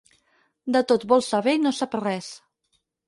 De tot vol saber i no sap res.